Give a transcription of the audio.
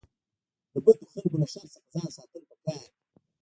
د بدو خلکو له شر څخه ځان ساتل پکار دي.